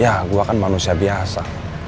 ya gue kan manusia biasa